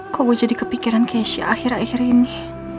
kok gue jadi kepikiran keisha akhir akhir ini